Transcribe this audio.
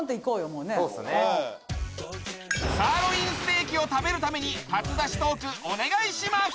もうねえサーロインステーキを食べるために初出しトークお願いします